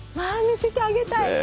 わあ見せてあげたい。